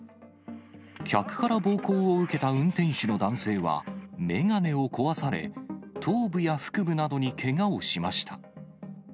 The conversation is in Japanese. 客から暴行を受けた運転手の男性は、眼鏡を壊され、頭部や腹部などにけがをしました。